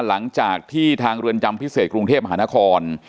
หลังจากที่ทางเรือนจำพิเศษกรุงเทพมหานคร